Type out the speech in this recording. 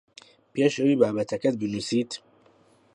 پێش ئەوەی بابەتەکەت بنووسیت